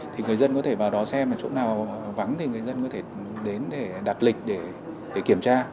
thì người dân có thể vào đó xem là chỗ nào vắng thì người dân có thể đến để đặt lịch để kiểm tra